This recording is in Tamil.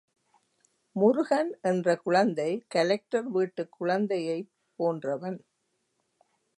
முருகன் என்ற குழந்தை கலெக்டர் வீட்டுக் குழந்தையைப் போன்றவன்.